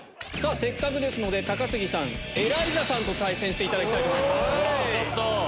せっかくですので高杉さんエライザさんと対戦していただきたいと思います。